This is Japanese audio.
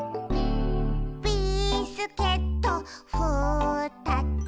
「ビスケットふたつ」